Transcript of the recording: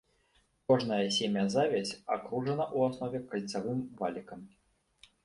Кожная семязавязь акружана ў аснове кальцавым валікам.